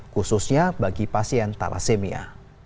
khususnya bagi pasien talasemia